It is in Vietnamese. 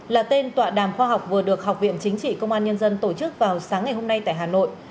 là tên tọa đàm khoa học vừa được học viện chính trị công an nhân dân tổ chức vào sáng ngày hôm nay tại hà nội